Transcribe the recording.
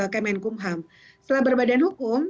kemenkumham setelah berbadan hukum